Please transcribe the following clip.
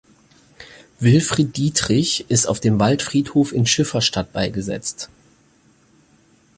Wilfried Dietrich ist auf dem Waldfriedhof in Schifferstadt beigesetzt.